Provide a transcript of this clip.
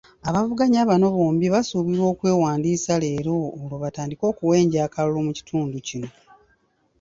Abavuganya bano bombi basuubirwa okwewandiisa leero olwo batandike okuwenja akalulu mu kitundu kino.